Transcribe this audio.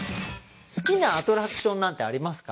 好きなアトラクションなんてありますか？